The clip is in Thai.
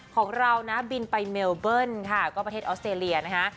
ของเรานะบินไปเมลเบิ้ลค่ะก็ประเทศออสเตรเลียนะคะ